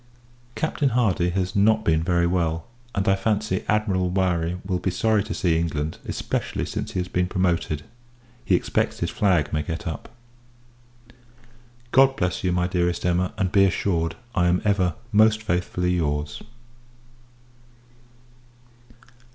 Captain Hardy has not been very well: and, I fancy, Admiral Murray will not be sorry to see England; especially, since he has been promoted he expects his flag may get up. God bless you, my dearest Emma; and, be assured, I am ever most faithfully your's.